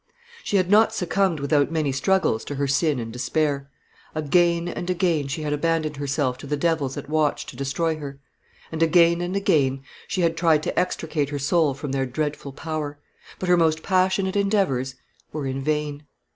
She had not succumbed without many struggles to her sin and despair. Again and again she had abandoned herself to the devils at watch to destroy her, and again and again she had tried to extricate her soul from their dreadful power; but her most passionate endeavours were in vain.